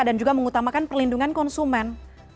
dan juga mengutamakan perlindungan konsumen